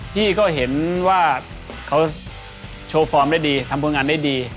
พี่ก็เห็นว่าเขาโชว์ฟอร์มได้ดีทำผลงานได้ดี